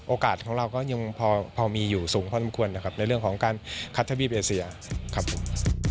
ของเราก็ยังพอมีอยู่สูงพอสมควรนะครับในเรื่องของการคัดทะบีบเอเซียครับผม